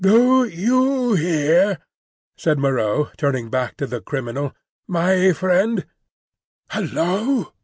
"Do you hear?" said Moreau, turning back to the criminal, "my friend—Hullo!"